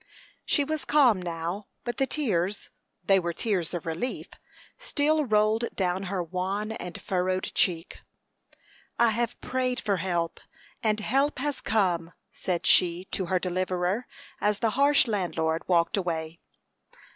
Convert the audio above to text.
She was calm now, but the tears they were tears of relief still rolled down her wan and furrowed cheek. "I have prayed for help, and help has come," said she to her deliverer, as the harsh landlord walked away.